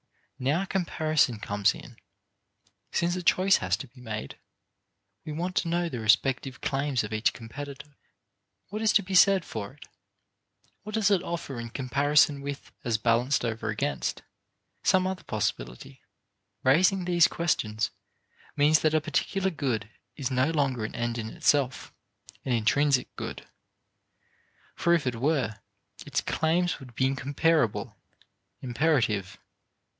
Now comparison comes in. Since a choice has to be made, we want to know the respective claims of each competitor. What is to be said for it? What does it offer in comparison with, as balanced over against, some other possibility? Raising these questions means that a particular good is no longer an end in itself, an intrinsic good. For if it were, its claims would be incomparable, imperative.